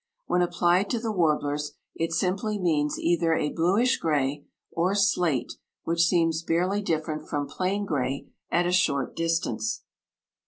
When applied to the warblers, it simply means either a bluish gray, or slate, which seems barely different from plain gray at a short distance.